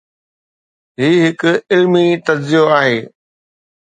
هي هڪ علمي تجزيو آهي.